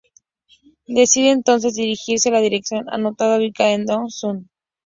Decide entonces dirigirse a la dirección anotada, ubicada en Dock Sud.